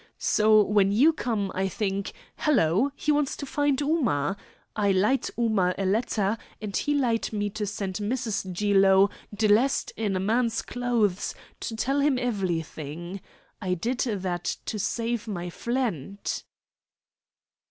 So when you come, I think, 'Hello, he wants to find Ooma!' I lite Ooma a letter, and he lite me to send Mrs. Jilo, dlessed in man's clothes, to tell him evelything. I did that to save my fliend."